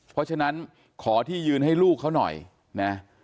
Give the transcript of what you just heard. เพราะฉะนั้นขอที่ยืนให้ลูกเขาหน่อยนะ